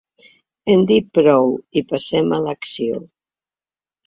Hem dit prou i passem a l’acció.